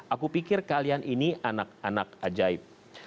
aku pikir kalian ini anak anak ajaib